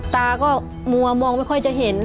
ตาก็มัวมองไม่ค่อยจะเห็น